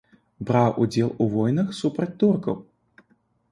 Браў удзел у войнах супраць туркаў.